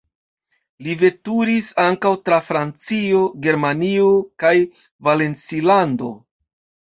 Li veturis ankaŭ tra Francio, Germanio kaj Valencilando.